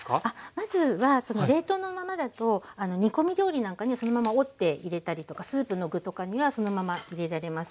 まずは冷凍のままだと煮込み料理なんかにはそのまま折って入れたりとかスープの具とかにはそのまま入れられます。